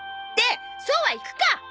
ってそうはいくか！